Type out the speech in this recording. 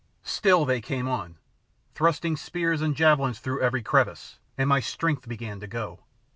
Still they came on, thrusting spears and javelins through every crevice and my strength began to go.